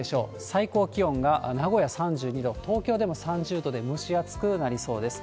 最高気温が名古屋３２度、東京でも３０度で蒸し暑くなりそうです。